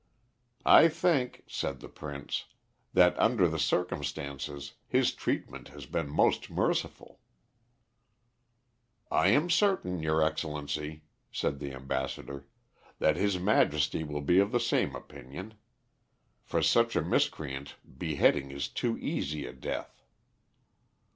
"I think," said the Prince, "that under the circumstances, his treatment has been most merciful." "I am certain, your Excellency," said the ambassador, "that his Majesty will be of the same opinion. For such a miscreant, beheading is too easy a death."